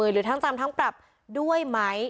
หรือทั้งจำทั้งปรับด้วยไหม